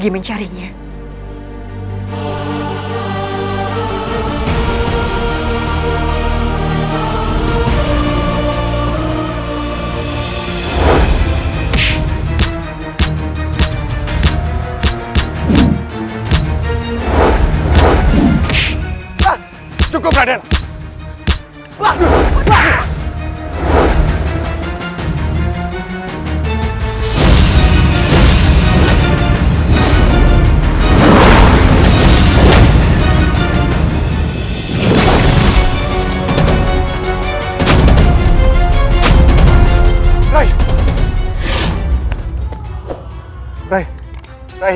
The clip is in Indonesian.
masuklah ke dalam